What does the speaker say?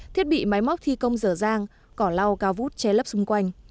thiết bị máy móc thi công rờ rang cỏ lau cao vút che lấp xung quanh